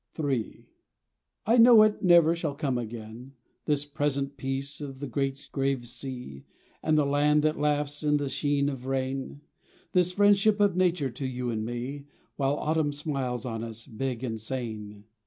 84 TUCKANUCK III I know it never shall come again, This present peace of the great grave sea And the land that laughs in its sheen of rain, This friendship of nature to you and me, While Autumn smiles on us, big and sane.